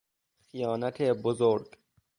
خیانت بزرگ